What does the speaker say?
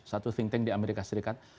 satu think tank di amerika serikat